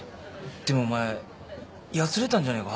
でもお前やつれたんじゃねえか？